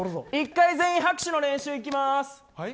１回全員拍手の練習行きます